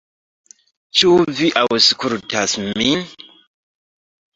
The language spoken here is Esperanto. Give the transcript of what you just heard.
"Ĉu vi aŭskultas min?"